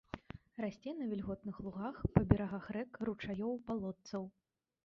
Расце на вільготных лугах, па берагах рэк, ручаёў, балотцаў.